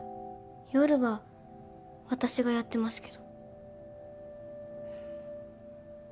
夜は私がやってますけど。